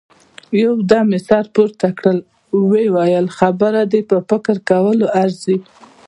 يودم يې سر پورته کړ، ويې ويل: خبره دې په فکر کولو ارزي.